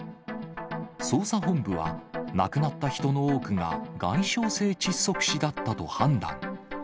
捜査本部は、亡くなった人の多くが外傷性窒息死だったと判断。